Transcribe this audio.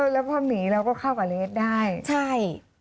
แล้วพอหมีเราก็เข้ากับเลสได้ใช่